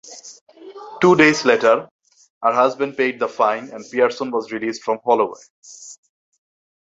Two days later her husband paid the fine and Pearson was released from Holloway.